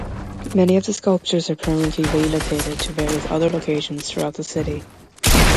Many of the sculptures are permanently relocated to various other locations throughout the city.